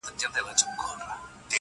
سوځېدل هم بې حکمته بې کماله نه دي یاره,